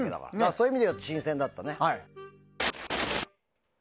そういう意味で言うと新鮮だったね。